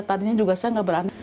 tadinya juga saya nggak berani